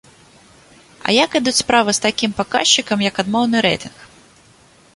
А як ідуць справы з такім паказчыкам, як адмоўны рэйтынг?